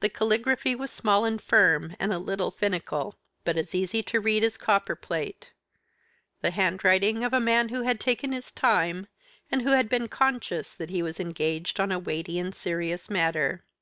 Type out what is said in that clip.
The caligraphy was small and firm, and a little finical, but as easy to read as copperplate: the handwriting of a man who had taken his time, and who had been conscious that he was engaged on a weighty and a serious matter.